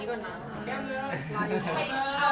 ขอด้านซ้ายด้วยนะครับ